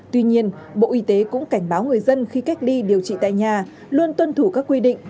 tuy nhiên bộ y tế cũng cảnh báo người dân khi cách ly điều trị tại nhà luôn tuân thủ các quy định